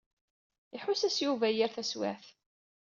Iḥuss-as Yuba d yir taswiɛt.